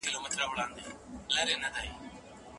استاد څېړونکي ته د مقالې جوړښت ورښيي.